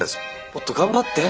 もっと頑張って。